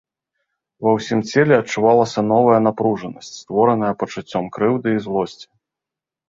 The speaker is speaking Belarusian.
Ва ўсім целе адчувалася новая напружанасць, створаная пачуццём крыўды і злосці.